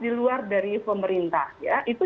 di luar dari pemerintah ya itu